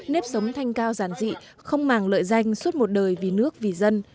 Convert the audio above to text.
nếp sống thanh cao giản dị không màng lợi danh suốt một đời vì nước vì dân